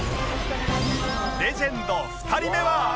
レジェンド２人目は